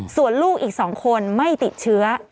ส่วนลูกอีก๒คนไม่ติดเชื้อ